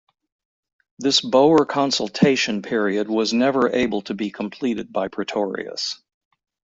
This Boer consultation period was never able to be completed by Pretorius.